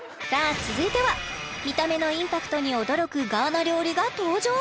続いては見た目のインパクトに驚くガーナ料理が登場